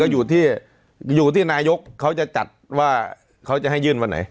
อยู่ที่นายการเช่าจะจัดว่าเขาจะให้ยื่นวันไหน